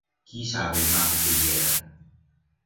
Quí sabe el majo que yera.